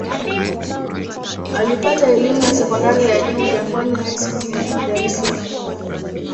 Alipata elimu ya sekondari ya juu Jangwani High School jijini Dar es Salaam.